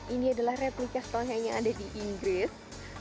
ini adalah replika stone yang ada di inggris